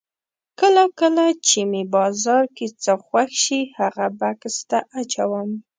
کله کله چې مې بازار کې څه خوښ شي هغه بکس ته اچوم.